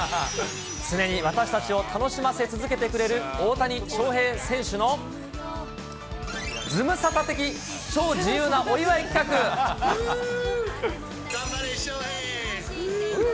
常に私たちを楽しませ続けてくれる大谷翔平選手の、ズムサタ的超頑張れ、翔平。